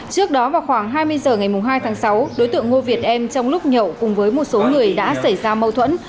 trước đó vào khoảng hai mươi h ngày hai tháng sáu đối tượng ngô việt em trong lúc nhậu cùng với một số người đã xảy ra mâu thuẫn